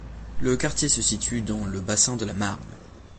Le quartier se situe dans le bassin de la Marne.